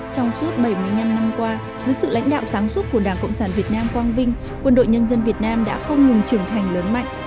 trong suốt bảy mươi năm năm qua dưới sự lãnh đạo sáng suốt của đảng cộng sản việt nam quang vinh quân đội nhân dân việt nam đã không ngừng trưởng thành lớn mạnh